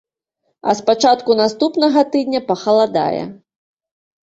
А з пачатку наступнага тыдня пахаладае.